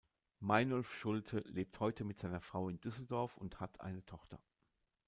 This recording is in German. Meinolf Schulte lebt heute mit seiner Frau in Düsseldorf und hat eine Tochter.